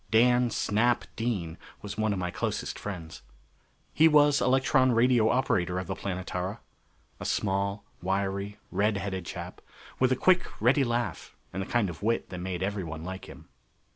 Dan "Snap" Dean was one of my closest friends. He was electron radio operator of the Planetara. A small, wiry, red headed chap, with a quick, ready laugh and the kind of wit that made everyone like him.